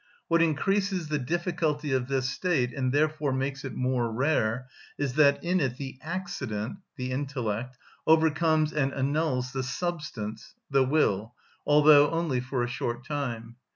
What increases the difficulty of this state, and therefore makes it more rare, is, that in it the accident (the intellect) overcomes and annuls the substance (the will), although only for a short time.